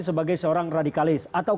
sebagai seorang radikalis atau